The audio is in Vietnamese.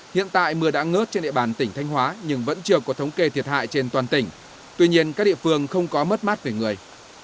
hiện tại mưa đã ngớt trên địa bàn tỉnh thanh hóa nhưng vẫn chưa có thống kê thiệt hại trên toàn tỉnh tuy nhiên các địa phương không có mất mát về người